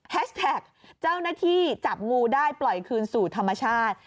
แท็กเจ้าหน้าที่จับงูได้ปล่อยคืนสู่ธรรมชาติ